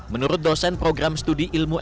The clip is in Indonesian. menurut dosen program studi ilmu agama